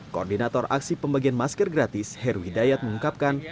koordinator aksi pembagian masker gratis herwi dayat mengungkapkan